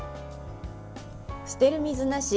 捨てる水なし！